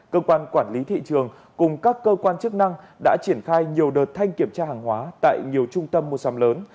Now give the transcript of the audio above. cơ quan quản lý thị trường cùng các cơ quan chức năng đã triển khai nhiều đợt thanh kiểm tra hàng hóa tại nhiều trung tâm mua sắm lớn